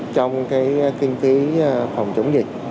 trong cái kinh phí phòng chủng dịch